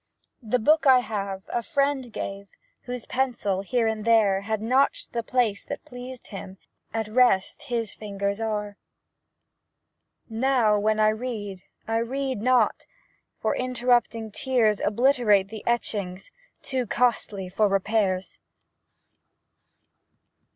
A book I have, a friend gave, Whose pencil, here and there, Had notched the place that pleased him, At rest his fingers are. Now, when I read, I read not, For interrupting tears Obliterate the etchings Too costly for repairs.